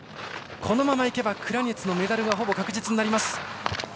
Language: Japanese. このままいけばクラニェツのメダルほぼ確実になります。